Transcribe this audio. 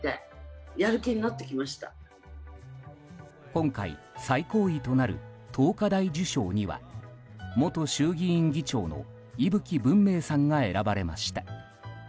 今回、最高位となる桐花大綬章には元衆議院議長の伊吹文明さんが選ばれました。